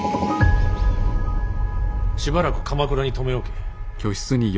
しばらく鎌倉に留め置け。